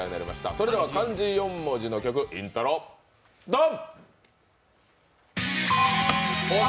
それでは漢字４文字の曲イントロドン！